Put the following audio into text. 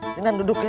sini duduk ya